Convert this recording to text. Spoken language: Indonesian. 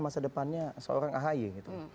masa depannya seorang ahy gitu